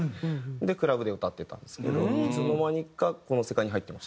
でクラブで歌ってたんですけどいつの間にかこの世界に入ってました。